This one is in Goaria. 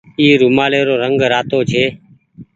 اي رومآلي رو رنگ رآتو ڇي۔